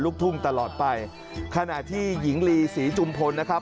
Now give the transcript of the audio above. และก็มีการกินยาละลายริ่มเลือดแล้วก็ยาละลายขายมันมาเลยตลอดครับ